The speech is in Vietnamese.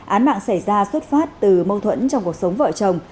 án mạng xảy ra xuất phát từ mâu thuẫn trong cuộc sống vợ chồng